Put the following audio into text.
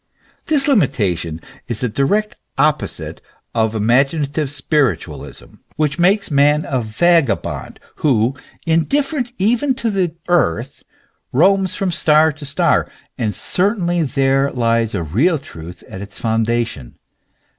"f This limitation is the direct opposite of imaginative spiritualism, which makes man a vagabond, who, indifferent even to the earth, roams from star to star; and certainly there lies a real truth at its foundation.